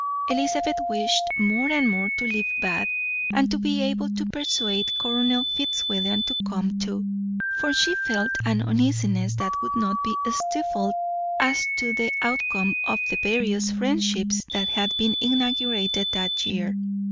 Elizabeth wished more and more to leave Bath, and to be able to persuade Colonel Fitzwilliam to come too; for she felt an uneasiness that would not be stifled as to the outcome of the various friendships that had been inaugurated that year.